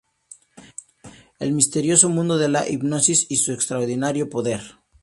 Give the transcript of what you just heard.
El misterioso mundo de la hipnosis y su extraordinario poder.